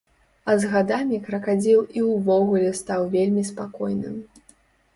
А з гадамі кракадзіл і ўвогуле стаў вельмі спакойным.